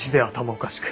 おかしく。